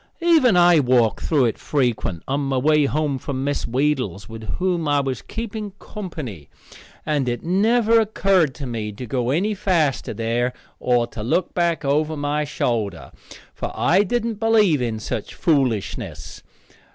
Even I walked through it frequent on my way home from Miss Wheedle's, with whom I was keeping company, and it never occurred to me to go any faster there, or to look back over my shoulder, for I didn't believe in such foolishness.